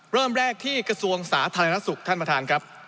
เริ่มแรกที่กระทรวงสาธารณสุขท่านประธานครับ